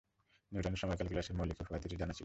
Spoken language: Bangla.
নিউটনের সময়ে ক্যালকুলাসের মৌলিক উপপাদ্যটি জানা ছিল।